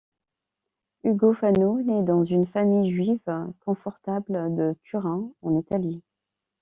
Ugo Fano naît dans une famille juive confortable de Turin, en Italie.